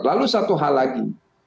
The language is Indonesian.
lalu satu hal lagi